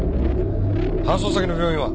搬送先の病院は！？